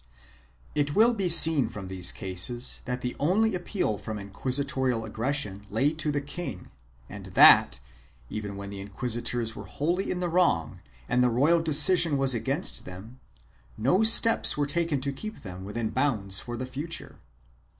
1 It will be seen from these cases that the only appeal from inquisitorial aggression lay to the king and that, even when the inquisitors were wholly in the wrong and the royal decision was against them, no steps were taken to keep them within bounds for the future.